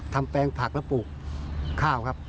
แปลงผักและปลูกข้าวครับ